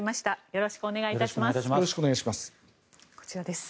よろしくお願いします。